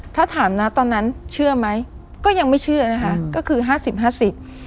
ถ้าถามนะตอนนั้นเชื่อไหมก็ยังไม่เชื่อนะคะก็คือห้าสิบห้าสิบ